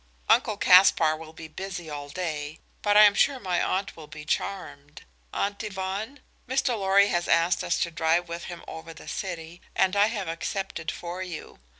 "Uncle Caspar will be busy all day, but I am sure my aunt will be charmed. Aunt Yvonne, Mr. Lorry has asked us to drive with him over the city, and I have accepted for you.